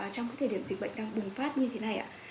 trong thời điểm dịch bệnh đang bùng phát như thế này ạ